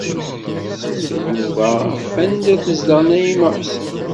Sseqsi Yuba af anda tezdeɣ Naɛima u Ḥsen.